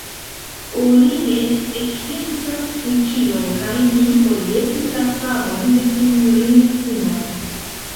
Oni ne ekpensas pri ĉio, kaj mi forgesis la savon de S-ino Simons.